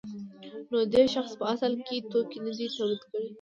نو دې شخص په اصل کې توکي نه دي تولید کړي